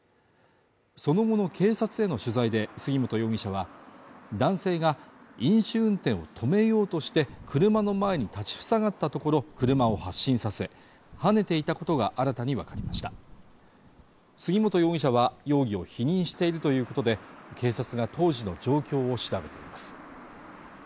その後の警察への取材で杉本容疑者は男性が飲酒運転を止めようとして車の前に立ちふさがったところ車を発進させはねていたことが新たに分かりました杉本容疑者は容疑を否認しているということで警察が当時の状況を調べています